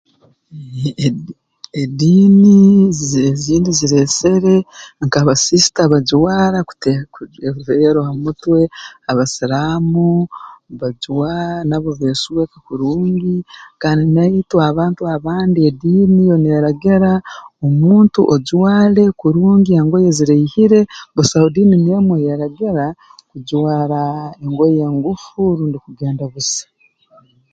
Ediini z'ezindi zireesere nk'abasista bajwara kuta eveero ha mutwe abasiraamu bajwara nabo besweka kurungi kandi naitwe abantu abandi ediini yo neeragira omuntu ojwale kurungi engoye eziraihire busaho diini n'emu eyeeragira kujwara engoye engufu rundi kugenda busa